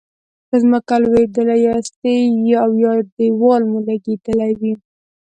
په ځمکه لویدلي یاستئ او یا دیوال مو لګیدلی وي.